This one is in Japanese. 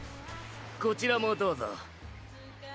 こちらもどうぞ。